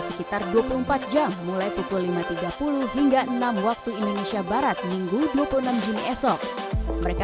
sekitar dua puluh empat jam mulai pukul lima tiga puluh hingga enam waktu indonesia barat minggu dua puluh enam juni esok mereka